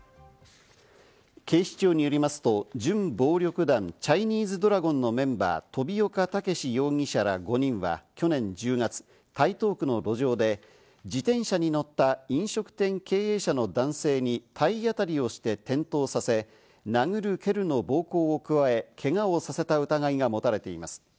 警視庁によりますと準暴力団チャイニーズドラゴンのメンバー・飛岡武容疑者ら５人は去年１０月、台東区の路上で、自転車に乗った飲食店経営者の男性に体当たりをして転倒させ、殴る蹴るの暴行を加え、けがをさせた疑いがもたれています。